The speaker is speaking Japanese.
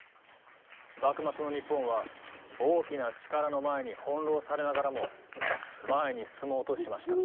幕末の日本は大きな力の前に翻弄されながらも前に進もうとしました。